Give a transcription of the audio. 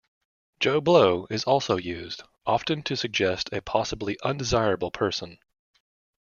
Joe Blow is also used, often to suggest a possibly undesirable person.